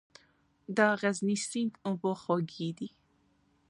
د غزني سیند اوبه خوږې دي